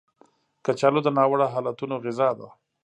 کچالو د ناوړه حالتونو غذا ده